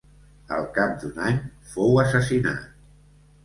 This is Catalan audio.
Al cap d'un any fou assassinat.